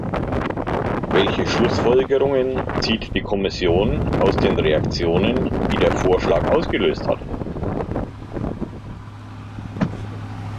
Welche Schlussfolgerungen zieht die Kommission aus den Reaktionen, die der Vorschlag ausgelöst hat?